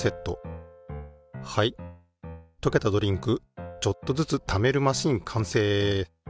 はいとけたドリンクちょっとずつためるマシン完成！